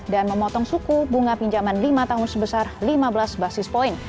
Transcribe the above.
dan memotong suku bunga pinjaman lima tahun sebesar lima belas basis point